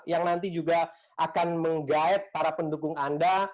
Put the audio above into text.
yang nanti juga akan meng guide para pendukung anda